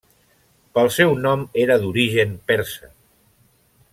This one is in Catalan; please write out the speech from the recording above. Pel seu nom era d'origen persa.